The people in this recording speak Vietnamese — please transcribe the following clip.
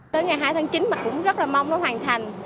tới ngày hai tháng chín mà cũng rất là mong nó hoàn thành